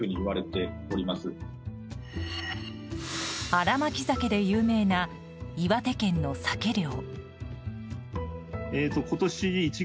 新巻鮭で有名な岩手県のサケ漁。